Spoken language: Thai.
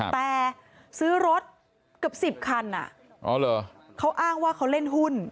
แต่ซื้อรถเกือบ๑๐คันเขาอ้างว่าเขาเล่นหุ้น